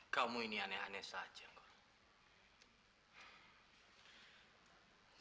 kamu ini aneh aneh saja mbak